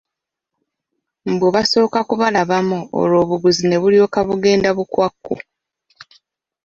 Mbu basooka kubalabamu olwo obuguzi ne bulyoka bugenda bukwakku!